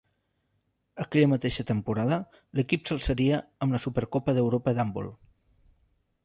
Aquella mateixa temporada l'equip s'alçaria amb la Supercopa d'Europa d'handbol.